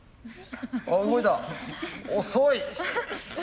遅い！